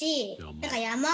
だから山。